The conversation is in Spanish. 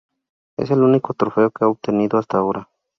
Es el único trofeo que ha obtenido hasta ahora.